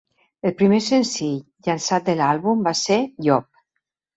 El primer senzill llançat de l'àlbum va ser "Yob".